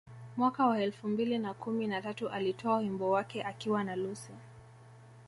Mwaka wa elfu mbili na kumi na tatu alitoa wimbo wake akiwa na Lucci